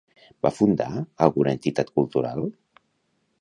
Va fundar alguna entitat cultural?